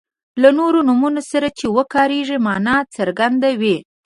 له نورو نومونو سره چې وکاریږي معنا څرګندوي.